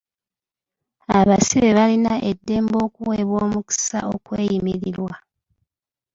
Abasibe balina eddembe okuweebwa omukisa okweyimirirwa.